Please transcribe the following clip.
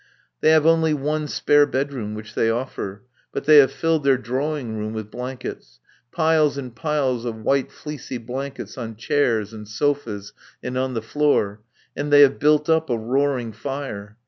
They have only one spare bedroom, which they offer; but they have filled their drawing room with blankets; piles and piles of white fleecy blankets on chairs and sofas and on the floor. And they have built up a roaring fire.